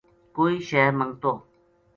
کوئی شے منگتو